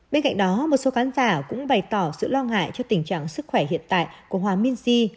bên cạnh đó một số khán giả cũng bày tỏ sự lo ngại cho tình trạng sức khỏe hiện tại của hòa minsi